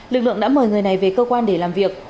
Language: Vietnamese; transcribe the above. lực lượng đã mời người này về cơ quan để làm việc